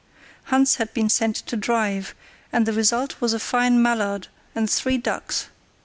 Hans had been sent to drive, and the result was a fine mallard and three ducks.